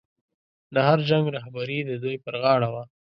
د هر جنګ رهبري د دوی پر غاړه وه.